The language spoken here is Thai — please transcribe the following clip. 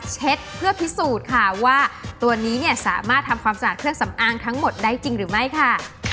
เพื่อพิสูจน์ค่ะว่าตัวนี้เนี่ยสามารถทำความสะอาดเครื่องสำอางทั้งหมดได้จริงหรือไม่ค่ะ